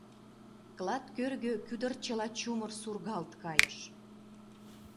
Клат кӧргӧ кӱдырчыла чумыр сургалт кайыш…